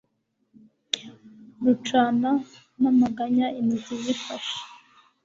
rucana namaganya intoki zifashe